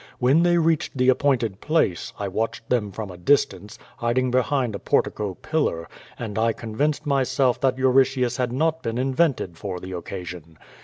When they reached the appointed place, I watched them from a distance, hiding behind a portico pillar, and I convinced myself that Euritius had not been invented for the occasion.